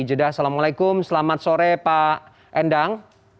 jeda assalamualaikum selamat sore pak endang